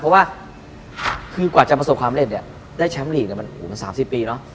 เพราะว่ากว่าจะประสบความเร็จได้แชมป์หลีกมัน๓๐ปีเนอะ